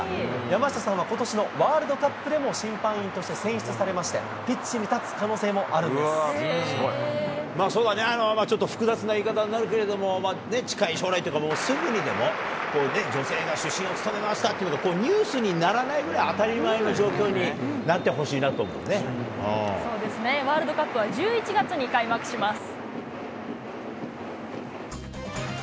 山下さんはことしのワールドカップでも、審判員として選出されまして、ピッチに立つ可能性もあるまあ、そうだね、ちょっと複雑な言い方になるけれども、近い将来というか、すぐにでも、女性が主審を務めましたってニュースにならないぐらい、当たり前そうですね、ワールドカップは１１月に開幕します。